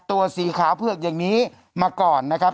ตัวสีขาวเผือกอย่างนี้มาก่อนนะครับ